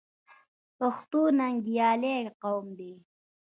پښتون ننګیالی قوم دی.